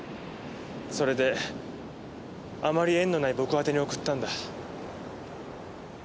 それであまり縁のない僕あてに送ったんだ。